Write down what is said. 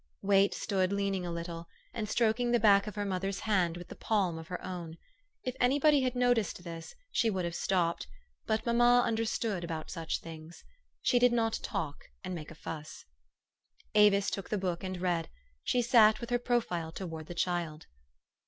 Wait stood leaning a little, and stroking the back of her mother's hand with the palm of her own. If anybody had noticed this, she would have stopped ; but mamma understood about such things. She did not talk and make a fuss. Avis took the book, and read. She sat with her profile towards the child.